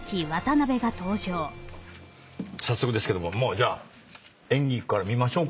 早速ですけどもじゃあ演技から見ましょうか。